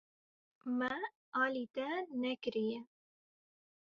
Me alî te nekiriye.